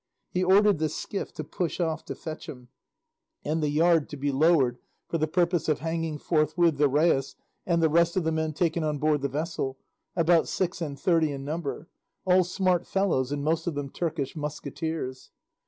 He ordered the skiff to push off to fetch him, and the yard to be lowered for the purpose of hanging forthwith the rais and the rest of the men taken on board the vessel, about six and thirty in number, all smart fellows and most of them Turkish musketeers.